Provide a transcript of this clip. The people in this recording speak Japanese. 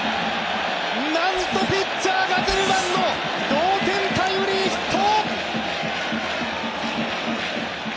なんとピッチャー、ガゼルマンの同点タイムリーヒット！